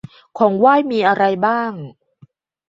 ของไหว้มีอะไรบ้าง